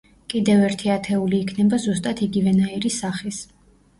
კიდევ ერთი ათეული იქნება ზუსტად იგივენაირი სახის.